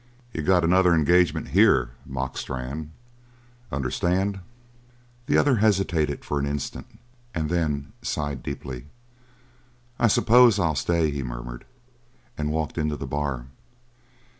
"You got another engagement here," mocked Strann. "Understand?" The other hesitated for an instant, and then sighed deeply. "I suppose I'll stay," he murmured, and walked into the bar.